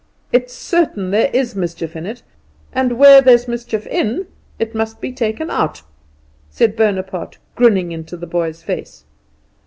It's certain there is mischief in it; and where there's mischief in, it must be taken out," said Bonaparte, grinning into the boy's face.